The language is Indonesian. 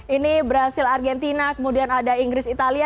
ini brazil argentina kemudian ada inggris italia